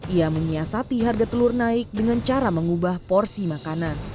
ia menyiasati harga telur naik dengan cara mengubah porsi makanan